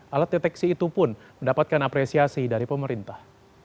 alat deteksi itu pun mendapatkan apresiasi dari pemerintah